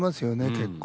結構。